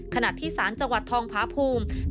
ขณะที่ศาลจังหวัดทองพาภูมิ